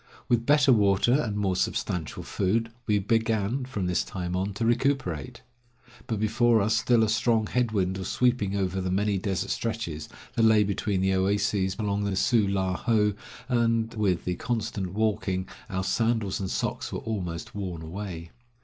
With better water and more substantial food we began, from this time on, to recuperate. But before us still a strong head wind was sweeping over the many desert stretches that lay between the oases along the Su la ho, and with the constant walking our sandals and socks were almost worn away.